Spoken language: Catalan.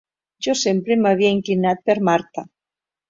Jo sempre m'havia inclinat per Marta.